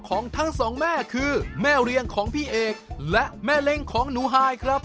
ของทั้งสองแม่คือแม่เรียงของพี่เอกและแม่เล้งของหนูไฮครับ